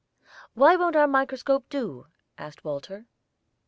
"Why won't our microscope do?" asked Walter.